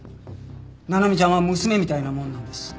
奈々美ちゃんは娘みたいなもんなんです。